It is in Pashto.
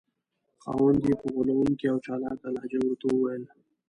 خاوند یې په غولونکې او چالاکه لهجه ورته وویل.